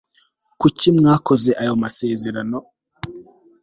kuki mwakoze ayo masezerano